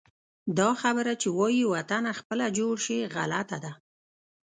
دا خبره چې وایي: وطنه خپله جوړ شي، غلطه ده.